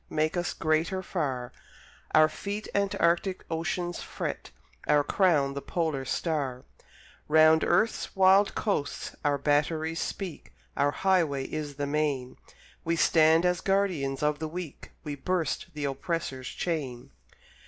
Make us greater far; Our feet antarctic oceans fret, Our crown the polar star: Round Earth's wild coasts our batteries speak, Our highway is the main, We stand as guardian of the weak, We burst the oppressor's chain.